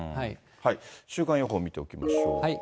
週間予報を見ておきましょう。